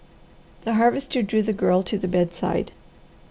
The Harvester drew the Girl to the bedside.